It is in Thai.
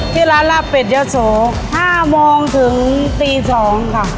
ที่ร้านลาเป็ดเยอะโสห้ามองถึงตีสองค่ะ